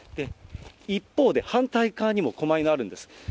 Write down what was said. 一方で、反対側にもこま犬あるんです。